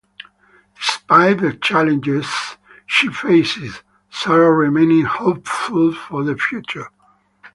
Despite the challenges she faced, Sarah remained hopeful for the future.